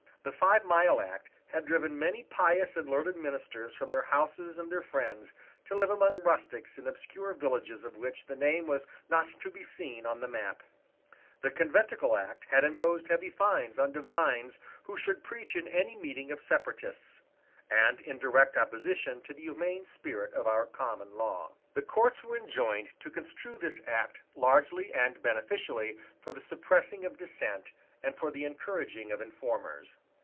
The Five Mile Act had driven many pious and learned ministers from their houses and their friends, to live among rustics in obscure villages of which the name was not to be seen on the map. The Conventicle Act had imposed heavy fines on divines who should preach in any meeting of separatists; and, in direct opposition to the humane spirit of our common law, the Courts were enjoined to construe this Act largely and beneficially for the suppressing of dissent and for the encouraging of informers.